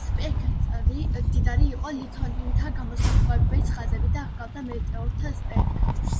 სპექტრი მდიდარი იყო ლითონთა გამოსხივების ხაზებით და ჰგავდა მეტეორთა სპექტრს.